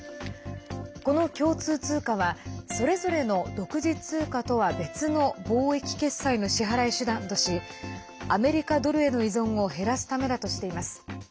この共通通貨はそれぞれの独自通貨とは別の貿易決済の支払い手段としアメリカドルへの依存を減らすためだとしています。